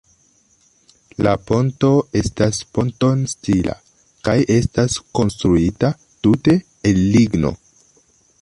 La ponto estas ponton-stila kaj estas konstruita tute el ligno.